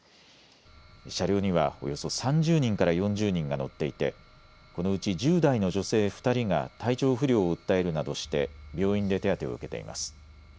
車両にはおよそ３０人から４０人が乗っていてこのうち１０代の女性２人が体調不良を訴えるなどして病院で手当てを受けています。